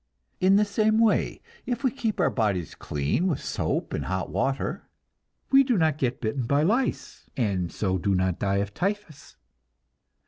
In the same way, if we keep our bodies clean with soap and hot water, we do not get bitten by lice, and so do not die of typhus.